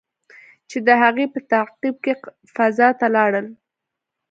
چې د هغې په تعقیب فضا ته لاړل.